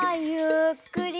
ゆっくり。